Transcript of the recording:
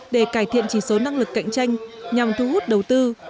để cải thiện chỉ số năng lực cạnh tranh nhằm thu hút đầu tư